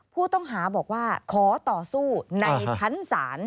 ผู้ต้องหาบอกว่าขอต่อสู้ในชั้นศาล